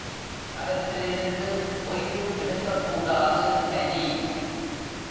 மரத்திலிருந்து கொய்து எடுக்கக்கூடாது, கனி.